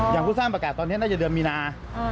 ผู้สร้างประกาศตอนนี้น่าจะเดือนมีนา